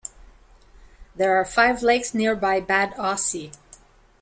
There are five lakes nearby Bad Aussee.